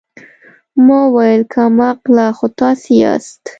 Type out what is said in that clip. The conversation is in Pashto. ما وويل کم عقله خو تاسې ياست.